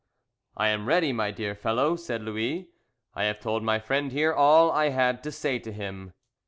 "I am ready, my dear fellow," said Louis. "I have told my friend here all I had to say to him."